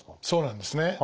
そうなんですね。